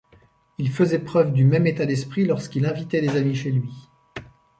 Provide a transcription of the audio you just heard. Il faisait preuve du même état d'esprit lorsqu'il invitait des amis chez lui.